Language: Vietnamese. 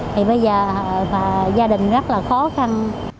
thì bây giờ gia đình rất là khó khăn